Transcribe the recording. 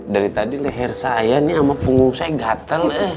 dari tadi leher saya nih sama punggung saya gatel